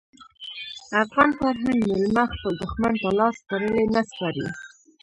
افغان فرهنګ میلمه خپل دښمن ته لاس تړلی نه سپاري.